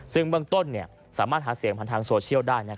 ซึ่งเบื้องต้นสามารถหาเสียงผ่านทางโซเชียลได้